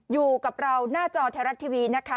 อยู่กับเราหน้าจอไทยรัฐทีวีนะคะ